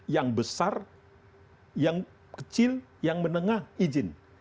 yang besar yang kecil yang menengah izin